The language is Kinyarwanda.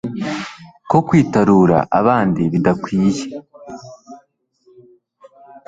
ko kwitarura abandi bidakwiriye